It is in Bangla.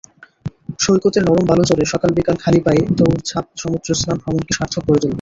সৈকতের নরম বালুচরে সকাল-বিকেল খালি পায়ে দৌড়ঝাঁপ সমুদ্রস্নান ভ্রমণকে সার্থক করে তুলবে।